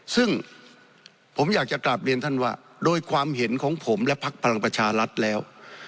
ซึ่งผมอยากจะกลับเรียนท่านว่าโดยความเห็นของผมและพักพลังประชารัฐแล้ว